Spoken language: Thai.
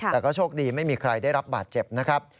แต่ก็โชคดีไม่มีใครได้รับบาดเจ็บนะครับ